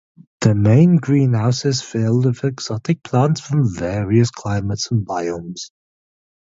The main greenhouse is filled with exotic plants from various climates and biomes.